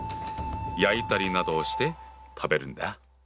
焼いたりなどをして食べるんだ。